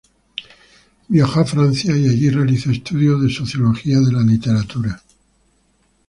Viajó a Francia y allí realizó estudios de Sociología de la Literatura.